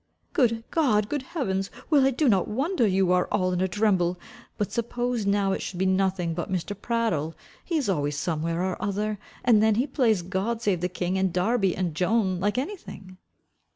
"Good God! good heavens! Well, I do not wonder you are all in a tremble But suppose now it should be nothing but Mr. Prattle He is always somewhere or other And then he plays God save the king, and Darby and Joan, like any thing."